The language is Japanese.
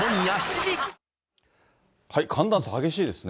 寒暖差、激しいですね。